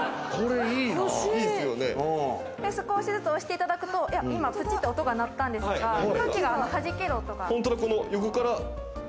少しずつ押していただくと、プチっと音が鳴ったんですが、空気がはじける音が。